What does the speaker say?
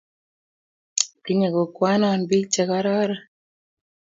tinyei kokwenoe biik che kororon